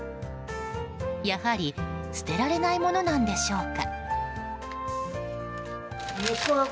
やはり捨てられないものなんでしょうか。